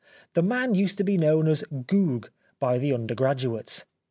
This man used to be known as " Gug " by the undergraduates.